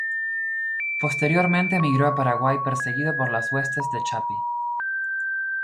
Posteriormente emigró a Paraguay perseguido por las huestes de Chapi.